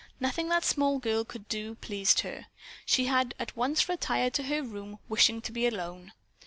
Nothing that small girl could do pleased her. She had at once retired to her room, wishing to be alone.